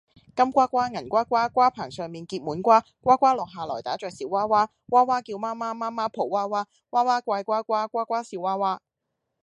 金瓜瓜，銀瓜瓜，瓜棚上面結滿瓜。瓜瓜落下來，打着小娃娃；娃娃叫媽媽，媽媽抱娃娃；娃娃怪瓜瓜，瓜瓜笑娃娃